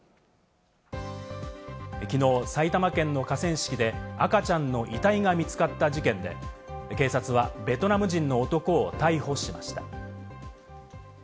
きのう埼玉県の河川敷で赤ちゃんの遺体が見つかった事件で、警察はベトナム人の男を逮捕しました。